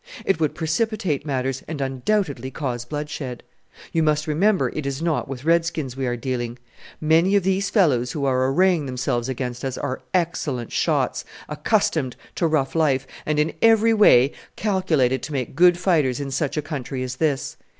It would precipitate matters, and undoubtedly cause bloodshed. You must remember it is not with redskins we are dealing. Many of these fellows who are arraying themselves against us are excellent shots, accustomed to rough life, and in every way calculated to make good fighters in such a country as this.